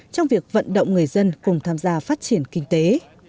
trong việc vận động người dân cùng tham gia phát triển kinh tế